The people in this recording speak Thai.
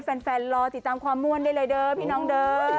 รอติดตามความม่วนได้เลยเด้อพี่น้องเด้อ